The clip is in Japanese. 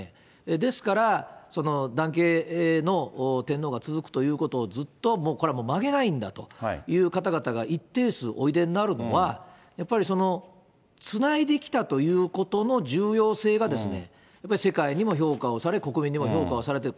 ですから、男系の天皇が続くということをずっとこれはもう曲げないんだという方々が一定数おいでになるのは、やっぱりその、つないできたということの重要性が、やっぱり世界にも評価をされ、国民にも評価をされている。